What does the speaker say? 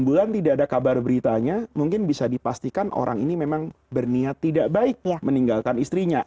enam bulan tidak ada kabar beritanya mungkin bisa dipastikan orang ini memang berniat tidak baik meninggalkan istrinya